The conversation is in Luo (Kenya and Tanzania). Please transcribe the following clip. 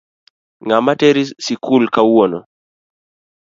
Ng'ama teri sikul kawuono?